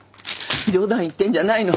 冗談言ってんじゃないの。